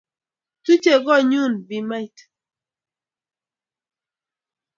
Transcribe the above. Tuche konnyu bimait